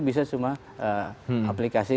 bisa semua aplikasi